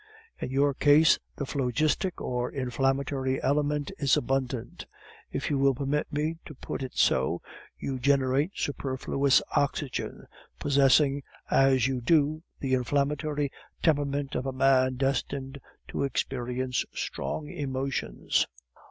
In your case, the phlogistic, or inflammatory element is abundant; if you will permit me to put it so, you generate superfluous oxygen, possessing as you do the inflammatory temperament of a man destined to experience strong emotions.